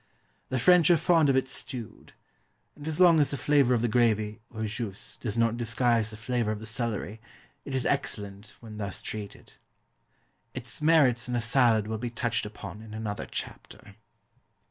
The French are fond of it stewed; and as long as the flavour of the gravy, or jus, does not disguise the flavour of the celery, it is excellent when thus treated. Its merits in a salad will be touched upon in another chapter.